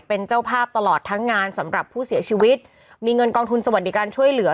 เป็นเจ้าภาพตลอดทั้งงานสำหรับผู้เสียชีวิตมีเงินกองทุนสวัสดิการช่วยเหลือ